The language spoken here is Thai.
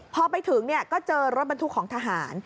พอไปถึงก็เจอรถบรรทุกของทหาร